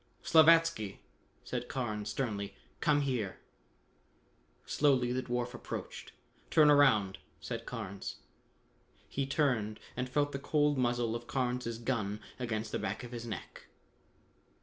"Slavatsky," said Carnes sternly, "come here!" Slowly the dwarf approached. "Turn around!" said Carnes. He turned and felt the cold muzzle of Carnes' gun against the back of his neck.